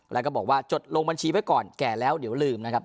แล้วก็บอกว่าจดลงบัญชีไว้ก่อนแก่แล้วเดี๋ยวลืมนะครับ